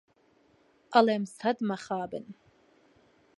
ئەڵێم سەد مخابن